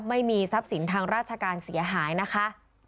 ไม่มีทรัพย์สินทางราชการเสียหายนะคะ